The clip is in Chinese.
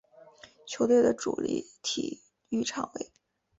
球队的主体育场为。